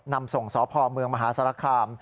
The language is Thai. นำส่งสพเมืองมหาสารคาม